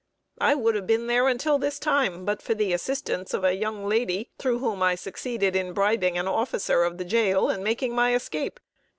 I would have been there until this time, but for the assistance of a young lady, through whom I succeeded in bribing an officer of the jail, and making my escape.